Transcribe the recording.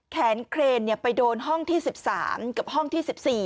แขนเครนไปโดนห้องที่๑๓กับห้องที่๑๔